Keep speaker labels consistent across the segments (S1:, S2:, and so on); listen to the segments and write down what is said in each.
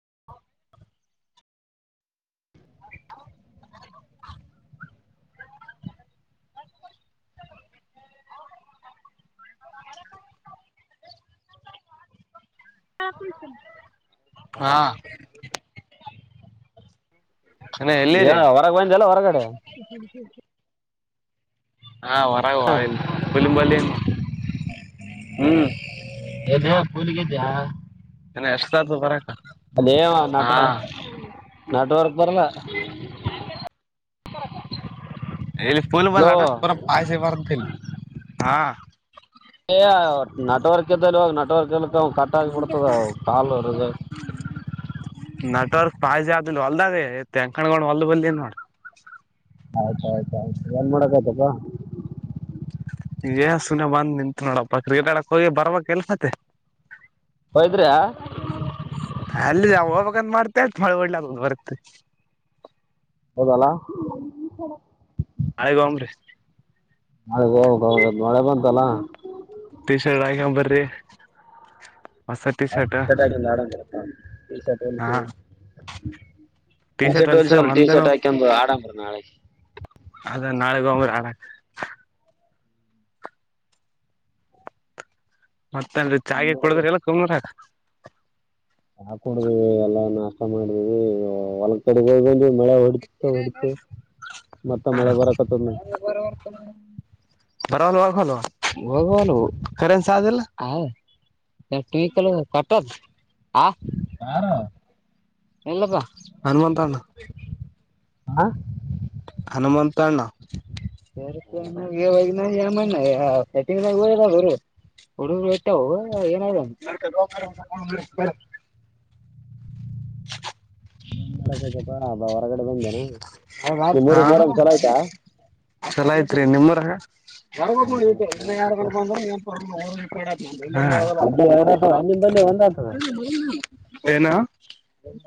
S1: [inaudible]
S2: ಹಪಡ್ಸ
S1: ಹಾ ಅಣ್ಣ ಎಲ್ಲಿರಿ
S2: ಏನ ಹೊರಗ ಬಂದಲ್ಲ ಹೊರಗಡೆ
S1: ಹಾ ಹೊರಗುವ ಇಲ್ ಕೊಲಿಂಬಲ್ಲಿ ಏನು
S2: ಹ್ಮ
S1: ಹ್ಮ್
S2: ಎದೆ ಕೂಲಿಗೆಿದ್ದಾ
S1: ಏ ಎಷ್ಟಾದ್ದು ಬರ
S2: ಅದೇ ನಟನ ನಟ್ವರ್ಕ್ ಬರಲ
S1: ಇಲ್ಲಿ ಪುಲ್ ಬಲ್ಲ ಪೂರ ಪಾಯಸಿ ಬರ್ ಹಾ
S2: ಏ ನೆಟ್ವರ್ಕ್ ಎಂತ ಇವಾಗ ನೆಟ್ವರ್ಕ್ ಎಲ್ಲ ಇವು ಕಟ್ ಆಗಿಬಡ್ತದ ಕಾಲು ಇರುದು
S1: ಪಾಯ್ಿ ಆದ ಹೊಲ್ದೇೆಕಣಗೊಂಡ ಹೊಲ್ ಬಲ್ನ್ ನೋಡ
S2: ಆಯ್ತ ಆಯ್ತ ಆಯ್ತು ಎನ್ ಮಾಡಡಕ ಆಯ್ತಪ್ಪ
S1: ಈಗ ಸುನೆ ಬಂದ ನಿಂತು ನೋಡಪ್ಪ ಕ್ರೀಾಡಕ್ ಹೋಗಿ ಬರ್ಬಕ್ ಎಲ್ ಮತ್ತೆ
S2: ಹಯದ್ರ್ಯಾ
S1: ಅಲ್ಲಿ ಯ ಹಬಾಗಂದ ಮಾಡ್ತ ಆತ್ ಮಳೆ ಒಳ್ಳಲ ಬರುತ್ತೆ
S2: ಹೌದಲ್ಲಾ
S1: ಆಯ ಕಾಂಗ್ರೆಸ್
S2: ಮೆ ಹೋಗದ ಹೌದು ಮಳೆ ಬಂತಲ್ಲ
S1: ಟಿ ಶರ್ಟ್ ಆಾಕಂಬರ್ರಿ ಹೊಸ ಟೀ ಶರ್ಟ್
S2: ಸಟ್
S1: ಹಾ ಟಿ
S2: ಶರ್ಟ್
S1: ಹೊಲ್ಸ
S2: ಹಲ್ಸಲ್ ಟೀ
S1: ಒಂದೇನು
S2: ಶರ್ಟ್ ಹಾಕಿಂದು್ ಆಡಂಬ್ರೀ ನಾಳೆ
S1: ಅದ ನಾಳೆಗ ಹಂಗ್ರ ಆರ ಮತ್ತಂದ
S2: ಏನು
S1: ಚಾಗೆ ಕುಡದ್ರ ಎಲ್ಲ ಕುಮ್ರ
S2: ಹಾಡ್ದವಿ ಎಲ್ಲಾ ನಾಷ್ಟ ಮಾಡಿದೀವಿ ಹೊಲಗ ತಡ ಮಳೆ ಹೊಡಿತ ಹೊಡಿತ ಮತ್ತ
S1: ಹಾ
S2: ಮಳೆ ಬರಕ್ಕತ್ತೊಮ್ಮೆ
S1: ಬರ ಬರ ರನ್ ಸಾಲ್ಲ ಎ ಕಲ ಕಟ್ಟದ ಹ
S2: ಯಾರ
S1: ಎಲ್ಲಪ್ಪ ಹನುಮಂತ್ಣ
S2: ಹಾ
S1: ಹನುಮಂತ ಅಣ್ಣ
S2: ಹಾಂ
S1: ಸೇಣ್ಣ ಸೆಟ್ಟಿಂಗ್ಾಗ ಹೋದರು ಹುಡುರು ಇಯ್ತವು ಏನ [inaudible]
S2: ಮಾಡಪ್ಪ ಅ ಹೊರಗಡೆ ಬಂದನಾ
S1: ಹ ಚಲ ಆಯ್ತು ರಿ ನಿಮ್ ಊರಾಗ [unintelligible] ಹಾ
S2: ಅಗ್ಗಿ ಎರಡಾತದ ನಿಮ್ಮಲ್ಲಿ ಒಂದಾತದ
S1: ಏನ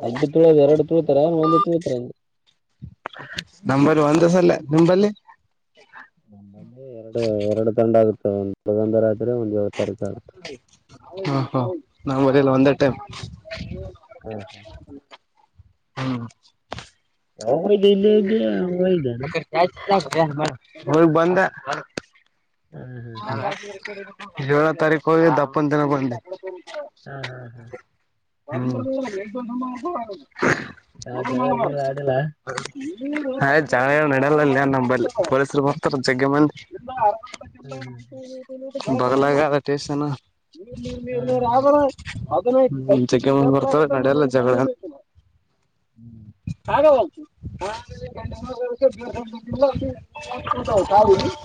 S2: ಹಂಗೆಿ ತುಳಿಯದ ಎರಡು ತುಳ್ತರ ಒಂದು ತುಳ್ತರಗೆ
S1: ನಂಬಲ್ಲಿ ಒಂದಸಲ ನಿಂಬಲ್ಲಿ
S2: ನಮ್ಮಲ್ಲಿ ಎರಡು ಎರಡು ದಂಡ ಆಗುತ್ತೆ ಒಂದ ದಂದ
S1: ಹಾ ಹ ನಾ ಮರಲ್ಲ ಒಂದೇ ಟೈಮ್
S2: ಹ್ಮ ಹಾ
S1: ಹ್ಮ್
S2: ಹೋಗಿದ್ದೆ ಇಲ್ಲಿ ಇದ್ದೆ ಹೋಗಿದ್ದಾನ
S1: ಅಕ್ಕಾಯ ಮ ಹೋಗ್ ಬಂದ ಏಳ ತಾರೀಕು ಹೋಗಿದ್ದ ದಪ್ಪಂತ ತನಕೊಂಡೆ
S2: ಹ್ಮ ಹಾ ಹಾ
S1: ನಿ
S2: ಜಗಳ ಗಿಗಳ ಆಡಿಲ್ಲ
S1: [unintelligible] ಆಯ್ ಜಳ ನಡಲ್ಲಲ್ಲಿ ನಮ್ಮಲ್ಲಿ ಪೊಲೀಸರು ಬರ್ತಾರ ಜಗ್ಗೆ ಮಂದಿ ಬದಲಾಗಿ ಅದೆ ಸ್ಟೇಷನ್ ಮುಂಚಕ್ಕೆ ಮುಂದ ಬರ್ತವೆ ನಡೆಯಲ್ಲ ಜಗಳ [unintelligible]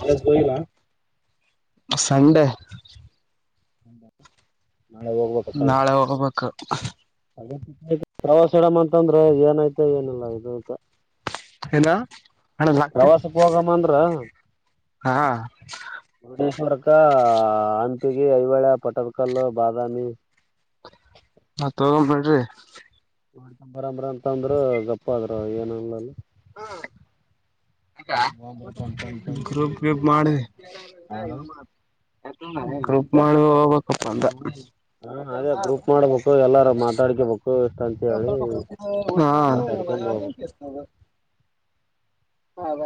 S2: ಕಾಲೇಜ್ ಹೋಗಿಲ್ಲ
S1: ಸಂಡೆ
S2: [unintelligible] ಹೋಗ್ಬೇಕು
S1: ನಾಳೆ ಹೋಗ್ಬೇಕು
S2: ಪ್ರವಾಸ ಇಡಮ್ ಅಂತಂದ್ರೆ ಏನಾಯ್ತ ಏನಿಲ್ಲ ಇದು
S1: ಏನ ಅಣ್ಣ ಲಾಕ್ತಿ
S2: ಪ್ರವಾಸಕ್ಕೆ ಹೋಗಮ್ಮ ಅಂದ್ರ
S1: ಹಾ
S2: ಮುರುಡೇಶ್ವರಕ ಆತ್ಹೋಗಿ ಐವಳ ಪಟದಕಲ್ಲು ಬಾದಾಮಿ
S1: ಮತ್ ಹಾಗೊಮ್ಮ ನೆಡೀರಿ
S2: ಮಾಡ್ತ ಬರರ ಅಂತ ಅಂದ್ರರು ಗಪ್ಪ ಆದದ್ರರು ಏನಲ್ಲಲ್
S1: ಹ್ಮ ಗ್ರೂಪ್ ಗಿಪ್ ಮಾಡಿ
S2: ಹಾ
S1: ಗ್ರೂಪ್ ಮಾಡ ಹೋಗ್ಬೇಕಪ್ಪ ಅದೇ
S2: ಹ ಅದೇ ಗ್ರೂಪ್ ಮಾಡ್ಬೇಕು ಎಲ್ಲಾರು ಮಾತಾಡ್ಕಬೇಕು ಎಷ್ಟ
S1: ು [unintelligible]
S2: ಹೋಗ್ಬೇಕು
S1: ಹಾದ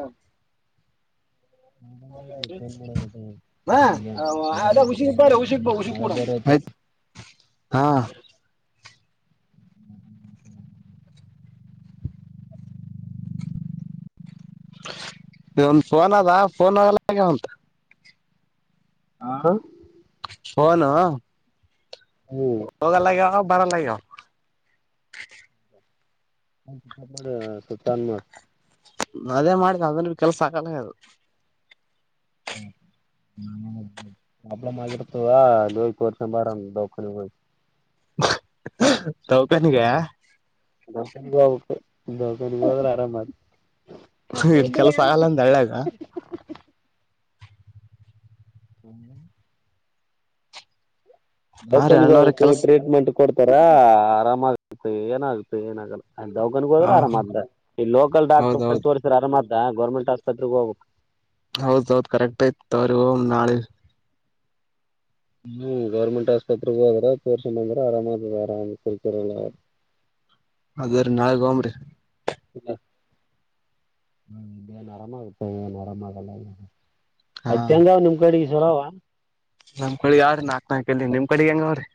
S1: ಹ [unintelligible]
S2: ಈಗ
S1: ಹ
S2: ಮಳೆ
S1: ಅದ ಹುಷಿ ಬ್ರ ಹುಸಿಗ್ಬ ಹುಸಿ
S2: ಮಳೆ
S1: ಕೂಡ
S2: ಬೇರೆ ಐತೆ
S1: ಆಯ್ತ ಹಾ ಇ ಒಂದು ಫೋನ್ ಅದ ಫೋನ್ ಆಲ್ಲ ಹಾಗ ಅಂತ
S2: ಹಾ
S1: ಫೋನ್
S2: ಹ್ಮ್
S1: ಹೋಗಲ್ಲ ಈಗ [unintelligible]
S2: ಸಪಡ ಸುತ್ತನ್ವ
S1: ಅದೇ ಮಾಡ್ದ ಅದನ್ ಕೆಲ್ಸ ಸಾಕಲ್ಲ ಅದು [inaudible]
S2: [unintelligible] ಕೊರ್ಷ ಬಾರ ದಖಾನ
S1: ಟೋಕನ್ ಗೆ
S2: [unintelligible] ಆರಾಮ
S1: ಇ ಕೆಲಸ ಆಗಲ್ಲಂದ ಅಳ್ಳಗ
S2: ಹ
S1: ಹಾ ರೀ
S2: ಟೋಕನ್
S1: ಅಣ್ಣವ್ರ
S2: ಹೋಗಕ್ಕು
S1: ಕೆಲ್ಸ
S2: ಟ್ರೀಟ್ಮೆಂಟ್ ಕೊಡ್ತಾರ ಆರಾಮಾಗೆ ಏನಾಗುತ್ತೆ ಏನಾಗಲ್ಲ
S1: ಹ
S2: [unintelligible] ಈ ಲೋಕಲ್ ಡಾಕ್ಟರ್
S1: ಹೌದೌದ್
S2: ತೋರ್ಸ್ರ ಆರಾಮ ಆ [unintelligible] ಗೌರ್ಮೆಂಟ್ ಆಸ್ಪತ್ರೆಗ ಹೋಗಬೇಕ್.
S1: ಹೌದ ಹೌದ ಕರೆಕ್ಟ್ ಐತ್ ತವ್ರ ನಾಳೆ
S2: ಹ್ಮ್ ಗೌರ್ಮೆಂಟ್ ಆಸ್ಪತ್ರೆಗ ಹೋದ್ರ ತೋರ್ಸ ಅಂದ್ರೆ ಆರಾಮ್ ಅದ ಆರಾಮ್ ಕುರ್ಕರಲ್ಲ
S1: ಅದ್ರೀ ನಾಳಗ್ ಒಗಮ್ ರಿ
S2: ಇಲ್ಲ ಹ [unintelligible] ಏ ನರ ಮಾಡಲ್ಲ
S1: ಹಾ
S2: ಯತ ಅಂದಾವ ನಿಮ್ ಕಡೆಗೆ ಸರಾವ
S1: ನಮ್ ಕಡೆ ಯ್ರೀ ನಾಕ್ ನಾಲ್ಕ ಎಲ್ಲಿ ನಿಮ್ ಕಡೆ ಹೆಂಗ ಅವ್ರಿ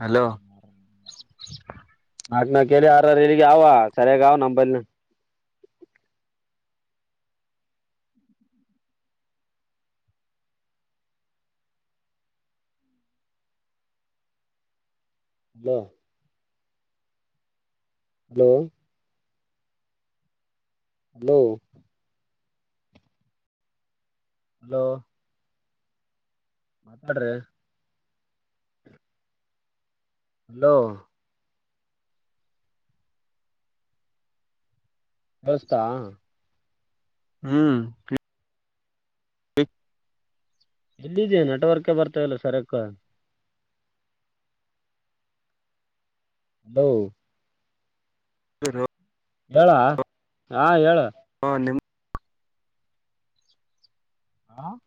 S1: ಹಲೋ
S2: ನಾಕಕ್ [unintelligible] ಆರವಾರ ಹೇಳಗೆ ಯ ಸರಿಯಾಗ ಅವ ನಮಂಬಲ್ ಜ್ಯ ಬ್ಲೌವ್ ಬ್ಲೋ ಬ್ಲೋ ಮಾತಾಡ್ರಿ ಬ್ಲೋ [unintelligible]
S1: ಹ್ಮು [unintelligible]
S2: ಎಲ್ಲಿದ್ದೀಯ ನೆಟ್ವರ್ಕೇ ಬರ್ತಾ ಇಲ್ಲ ಸರಿಯಕ್ಕ. ಬವ್ ಬಳ್ಳಾ ಹಾ ಹೇಳ.
S1: ಆ ನಿಮ್ಮ
S2: ಆ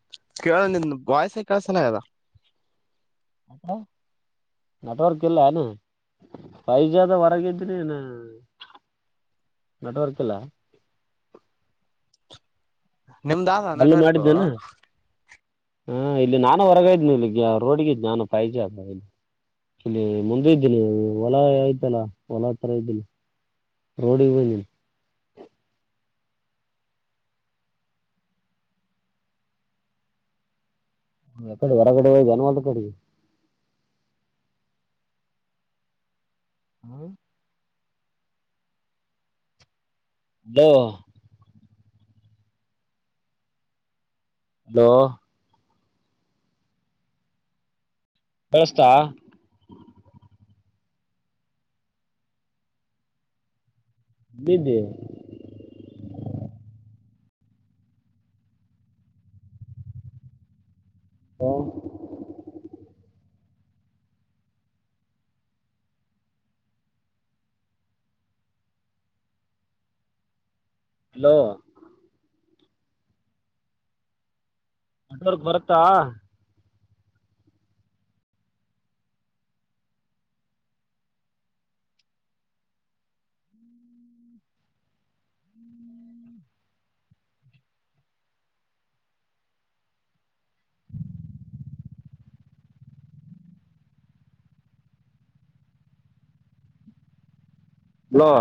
S1: ಕೇಳ ನಿನ್ನ್ ವಾಯ್ಸ್ ಕೇಳ [unintelligible]
S2: [unintelligible] ನೆಟ್ವರ್ಕ್ ಇಲ್ಲ ಅನ್ನ್ ಫೈಜಿ ಅದ್ ಹೊರಗಿದ್ದಿ [unintelligible] ನೆಟ್ವರ್ಕ್ ಇಲ್ಲ.
S1: ನಿಮ್ದ ನೆಟ್ವರ್ಕು.
S2: ಹ್ಮು ಇಲ್ಲಿ ನಾನು ಹೊರಗ ಇದ್ನಿ ಇಲ್ಲಿ ರೋಡ್ಗ ಇದ್ನಿ ನಾನು ಪೈಜಿ ಅದ ಇಲ್ಲಿ. ಇಲ್ಲಿ ಮುಂದೆ ಇದ್ದೀನಿ ಹೊಲ ಅಯ್ತಲ್ಲ ಹೊಲ ಹತ್ತಿರ ಇದ್ದೀನಿ. ರೋಡಿಗ್ ಬಂದಿನ್. ಹ್ಮು ಎಕಡಿ ಎಡಗಡೆ [unintelligible] ಆ [unintelligible] ಬ್ಲೋ ಪಸ್ಟಾ ಬಿದ್ದಿ ಅ ಹಲೋ ನೆಟ್ವರ್ಕ್ ಬರುತ್ತಾ. ಬ್ಲೋ